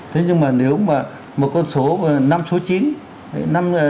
thế nhưng mà nếu mà một con số năm số chín